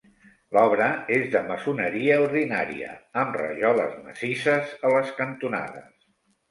L'obra és de maçoneria ordinària, amb rajoles massisses a les cantonades.